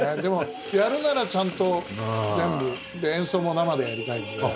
でもやるならちゃんと全部演奏も生でやりたいと。